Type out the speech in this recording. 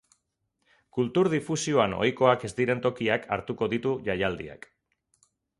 Kultur difusioan ohikoak ez diren tokiak hartuko ditu jaialdiak.